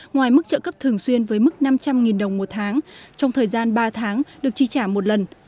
ngoài mức trợ cấp thường xuyên với mức năm trăm linh đồng một tháng trong thời gian ba tháng được chi trả một lần